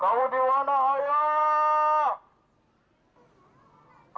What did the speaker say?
kamu di mana ayah